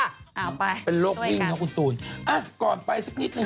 เอาไปช่วยกันอ๋อคืนนี้มีไหมคะ